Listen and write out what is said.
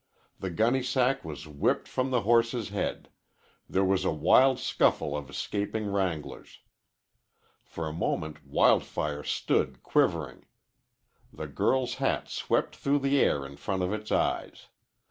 The gunny sack was whipped from the horse's head. There was a wild scuffle of escaping wranglers. For a moment Wild Fire stood quivering. The girl's hat swept through the air in front of its eyes.